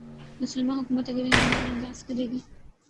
مسلماںحکومت اگر انہیں نظر انداز کرے گی۔